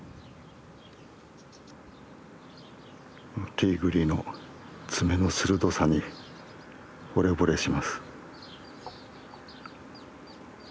ティグリの爪の鋭さにほれぼれします。